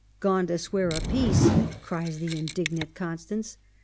' Gone to swear a peace !' cries the indignant Constance.